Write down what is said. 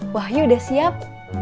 wahyu sudah siap